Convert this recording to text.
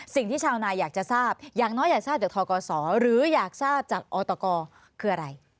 สิ่งที่ชาวนาอยากจะทราบอย่างน้อยอยากทราบจากทกศหรืออยากทราบจากอตกคืออะไร